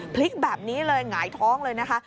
พลิกแบบนี้เลยหงายท้องเลยนะคะ